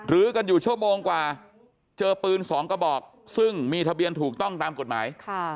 ื้อกันอยู่ชั่วโมงกว่าเจอปืน๒กระบอกซึ่งมีทะเบียนถูกต้องตามกฎหมาย